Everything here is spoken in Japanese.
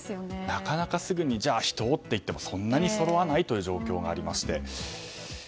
なかなかすぐにじゃあ、人をといってもそんなにそろわないという状況がありまして。